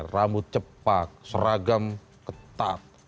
rambut cepat seragam ketat